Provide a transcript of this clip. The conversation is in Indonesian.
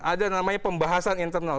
ada namanya pembahasan internal